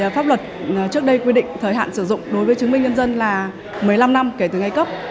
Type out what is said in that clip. pháp luật trước đây quy định thời hạn sử dụng đối với chứng minh nhân dân là một mươi năm năm kể từ ngày cấp